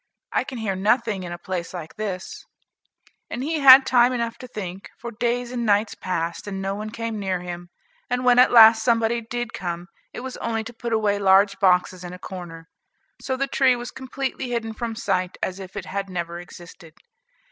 I can hear nothing in a place like this," and he had time enough to think, for days and nights passed and no one came near him, and when at last somebody did come, it was only to put away large boxes in a corner. So the tree was completely hidden from sight as if it had never existed.